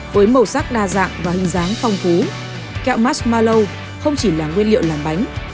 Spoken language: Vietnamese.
với màu sắc đa dạng và hình dáng phong phú kẹo masmalow không chỉ là nguyên liệu làm bánh